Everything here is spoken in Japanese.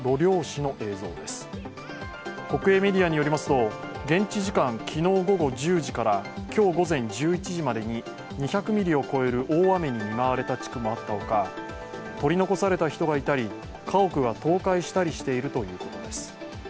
国営メディアによりますと現地時間午後１０時から午前１１時までに２００ミリを超える大雨に見舞われた地区もあったほか、取り残された人がいたり、家屋が倒壊したりしているということです。